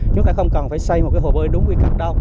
chúng ta không cần phải xây một cái hồ bơi đúng quy kịch đâu